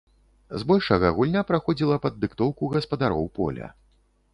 Збольшага гульня праходзіла пад дыктоўку гаспадароў поля.